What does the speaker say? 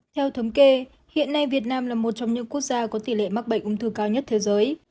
theo thống kê hiện nay việt nam là một trong những quốc gia có tỷ lệ mắc bệnh ung thư cao nhất thế giới